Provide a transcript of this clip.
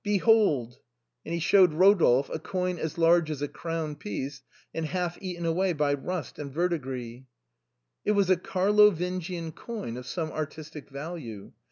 Behold !" and he showed Rodolphe a coin as large as a crown piece, and half eaten away by rust and verdigris. It was a Carlovingian coin of some artistic value.